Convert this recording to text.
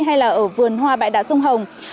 hay là ở vườn hoa bãi đá sông hồng